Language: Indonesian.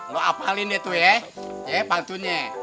lo apalin deh tuh ya ya pantunnya